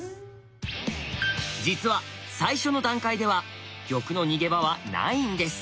実は最初の段階では玉の逃げ場はないんです。